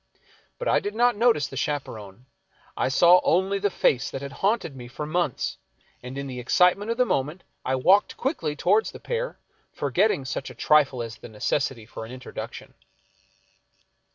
But I did not notice the chaperon. I saw only the face that had haunted me for months, and in the excitement of the moment I walked quickly toward the pair, forgetting such a trifle as the necessity for an introduction.